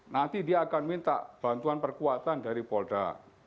nanti dia akan minta bantuan perkuatan dari polda